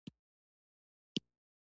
ایا زما قبضیت به ښه شي؟